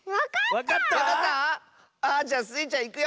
わかった⁉あっじゃあスイちゃんいくよ。